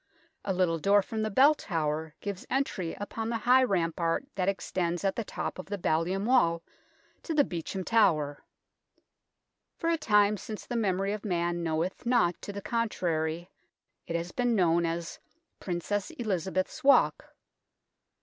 A little door from the Bell Tower gives entry upon the high rampart that extends at the top of the ballium wall to the Beauchamp Tower. For a time since the memory of man knoweth not to the contrary, it has been known as " Princess Elizabeth's Walk."